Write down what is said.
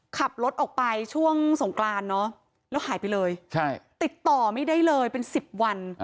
ขับรถออกไปช่วงสงกรานเนอะแล้วหายไปเลยติดต่อไม่ได้เลยเป็น๑๐วัน